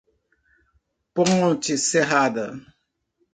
Ponte Serrada